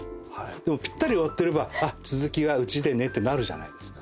でもぴったり終わってればあっ続きはうちでねってなるじゃないですか。